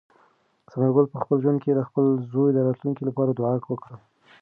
ثمر ګل په خپل زړه کې د خپل زوی د راتلونکي لپاره دعا وکړه.